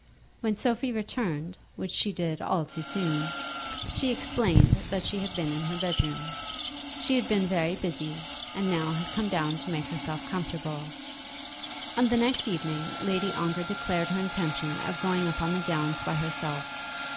When Sophie returned, which she did all too soon, she explained that she had been in her bedroom. She had been very busy, and now had come down to make herself comfortable. On the next evening Lady Ongar declared her intention of going up on the downs by herself.